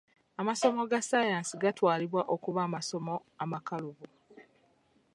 Amasomo ga ssaayansi gatwalibwa okuba amasomo amakalubu.